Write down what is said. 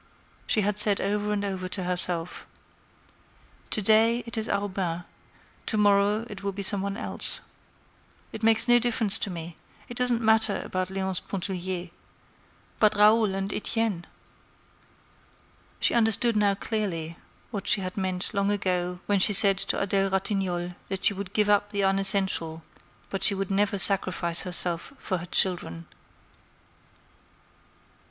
She had said over and over to herself: "To day it is Arobin; to morrow it will be some one else. It makes no difference to me, it doesn't matter about Léonce Pontellier—but Raoul and Etienne!" She understood now clearly what she had meant long ago when she said to Adèle Ratignolle that she would give up the unessential, but she would never sacrifice herself for her children.